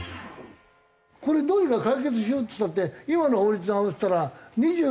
これどうにか解決しようっつったって今の法律に合わせたら二十。